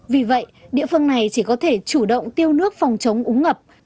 vì vậy địa phương này chỉ có thể chủ động tiêu nước phòng chống úng ngập